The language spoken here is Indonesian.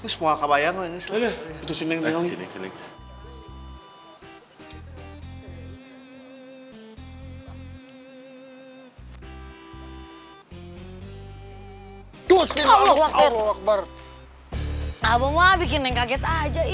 semua kakak bayangin itu